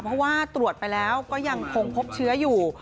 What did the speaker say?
เพราะว่าตรวจไปแล้วก็ยังคงพบเชื้ออยู่